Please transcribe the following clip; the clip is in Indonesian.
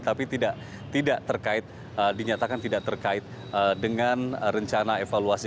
tapi tidak terkait dinyatakan tidak terkait dengan rencana evaluasi